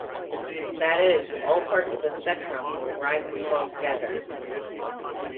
That is, all parts of a spectrum will rise and fall together.